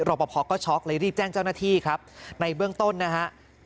ปภก็ช็อกเลยรีบแจ้งเจ้าหน้าที่ครับในเบื้องต้นนะฮะ